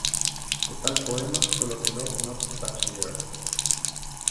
De tal poema solo quedo Not to Touch The Earth.